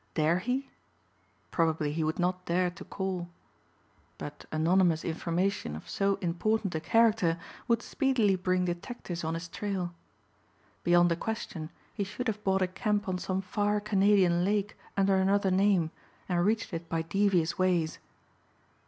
Dare he? Probably he would not dare to call. But anonymous information of so important a character would speedily bring detectives on his trail. Beyond a question he should have bought a camp on some far Canadian lake under another name, and reached it by devious ways.